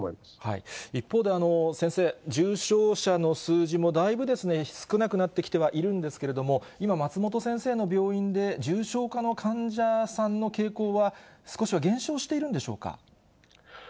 一方で先生、重症者の数字もだいぶ少なくなってきてはいるんですけれども、今、松本先生の病院で重症化の患者さんの傾向は、少しは減少しているんでしょうか。